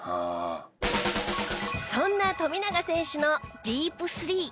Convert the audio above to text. そんな富永選手のディープスリー。